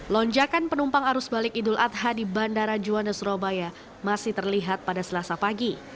lonjakan penumpang arus balik idul adha di bandara juanda surabaya masih terlihat pada selasa pagi